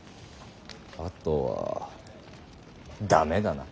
あとは駄目だな。